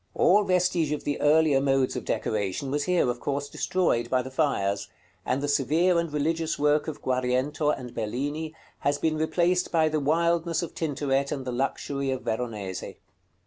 All vestige of the earlier modes of decoration was here, of course, destroyed by the fires; and the severe and religious work of Guariento and Bellini has been replaced by the wildness of Tintoret and the luxury of Veronese.